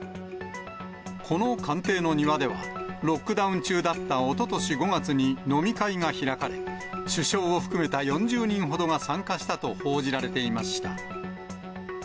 この官邸の庭では、ロックダウン中だったおととし５月に飲み会が開かれ、首相を含めた４０人ほどが参加したと報じられていました。